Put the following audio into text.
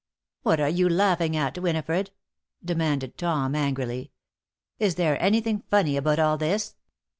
"What are you laughing at, Winifred?" demanded Tom, angrily. "Is there anything funny about all this?